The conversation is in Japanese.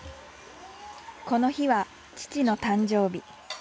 この日は父の誕生日。